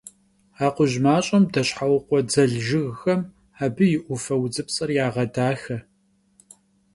Akhuj maş'em deşheukhue dzel jjıgxem abı yi 'ufe vudzıpts'er yağedaxe.